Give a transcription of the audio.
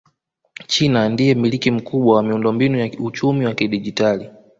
China ndiye mmiliki mkubwa wa miundombinu ya uchumi wa kidigitali